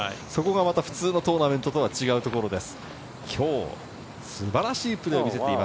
そこが普通のトーナメントと違うところです。